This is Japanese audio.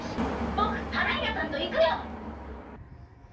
ぼくタライラさんといくよ！